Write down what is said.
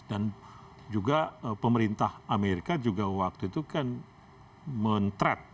dan juga pemerintah amerika juga waktu itu kan mentret